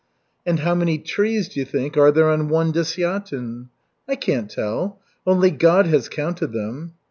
"And how many trees, d'you think, are there on one desyatin?" "I can't tell. Only God has counted them."